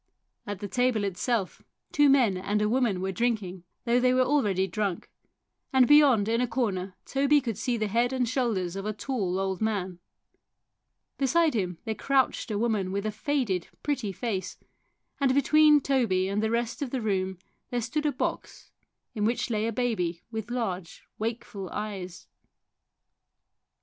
At the table itself two men and a woman were drinking, though they were already drunk, and beyond in a corner Toby could see the head and shoulders of a tall old man. Beside him there crouched a woman with a faded, pretty face, and between Toby and the rest of the room there stood a box in which lay a baby with large, wakeful eyes.